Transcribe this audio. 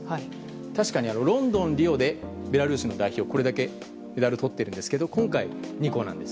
確かにロンドン、リオでベラルーシの代表がこれだけのメダルをとっているんですけれども今回、２個なんです。